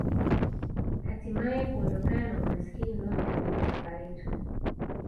Hatimae kuondokana na umaskini unaolikabili taifa letu